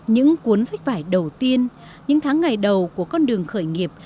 những cuốn sách vải đầu tiên những tháng ngày đầu của con đường khởi nghiệp